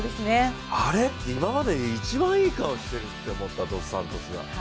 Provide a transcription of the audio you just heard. あれって今までで一番いい顔してるって思ったドス・サントスが。